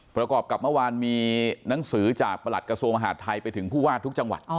ประกอบกับเมื่อวานมีหนังสือจากประหลัดกระทรวงมหาดไทยไปถึงผู้ว่าทุกจังหวัด